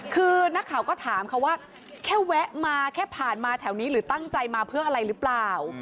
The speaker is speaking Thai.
คือนักข่าวก็ถามเขาว่าแค่แวะมาแค่ผ่านมาแถวนี้หรือตั้งใจมาเพื่ออะไรหรือเปล่า